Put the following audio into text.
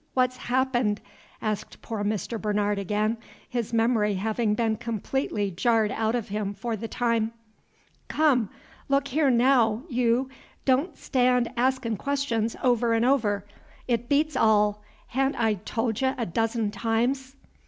What's happened?" asked poor Mr. Bernard again, his memory having been completely jarred out of him for the time. "Come, look here naow, yeou, don' Stan' askin' questions over 'n' over; 't beats all! ha'n't I tol' y' a dozen times?"